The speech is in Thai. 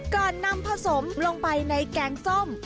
ก่อนนำผสมลงไปในแกงส้ม